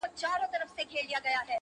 • ما منلی یې پر تا مي صبر کړی -